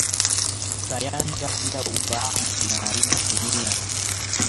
Sayansa bila ufaamu inaaribu dunia